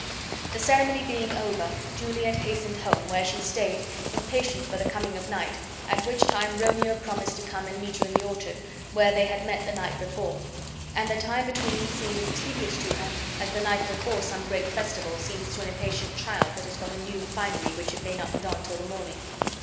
The ceremony being over, Juliet hastened home, where she stayed, impatient for the coming of night, at which time Romeo promised to come and meet her in the orchard, where they had met the night before; and the time between seemed as tedious to her as the night before some great festival seems to an impatient child that has got new finery which it may not put on till the morning.